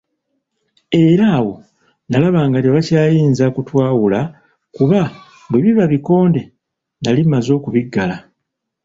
Era awo nalaba nga tebakyayinza kutwawula kuba bwe biba bikondo, nali mmaze okubiggala.